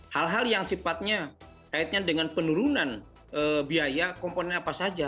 hal hal yang sifatnya kaitnya dengan penurunan biaya komponen apa saja